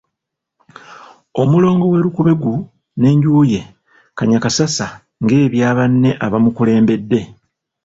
Omulongo we Lukubeggu n'enju ye Kannyakassasa ng'ebya banne abamukulembedde.